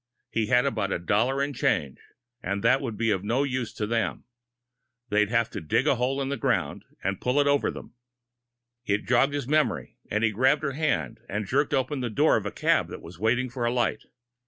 He had about a dollar in change, and that would be of no use to them. They'd have to dig a hole in the ground and pull it over them.... It joggled his memory, and he grabbed her hand and jerked open the door of a cab that was waiting for the light.